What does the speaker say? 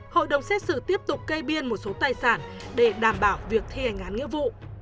hội đồng xét xử tiếp tục kê biên một số tài sản để đảm bảo việc thi hành án nghĩa vụ